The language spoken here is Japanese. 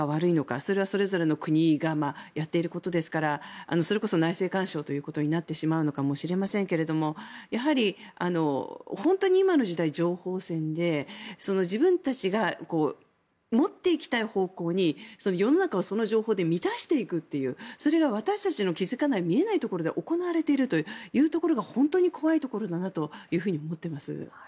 それは、それぞれの国がやっていることですからそれこそ内政干渉ということになってしまうのかもしれませんがやはり、本当に今の時代情報戦で自分たちが持っていきたい方向に世の中をその情報で満たしていくというそれが私たちの気付かない見えないところで行われているというところが本当に怖いところだなと思っています。